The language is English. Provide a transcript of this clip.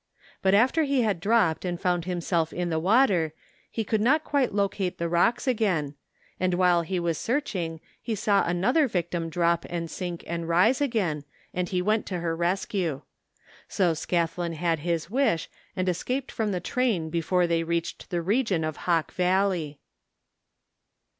But after he had dropped and found himself in the water he could not quite locate the rocks again, and while he was search ing he saw another victim drop and sink and rise again, and he went to her rescue. So had Scathlin had his wish and escaped from the train before they reached the region of Hawk Valley.